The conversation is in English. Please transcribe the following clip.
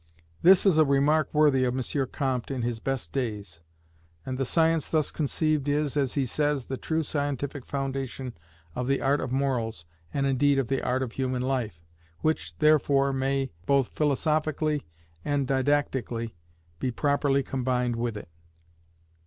This is a remark worthy of M. Comte in his best days; and the science thus conceived is, as he says, the true scientific foundation of the art of Morals (and indeed of the art of human life), which, therefore, may, both philosophically and didactically, be properly combined with it.